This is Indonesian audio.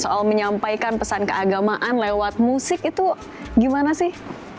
soal menyampaikan pesan keagamaan lewat musik itu gimana sih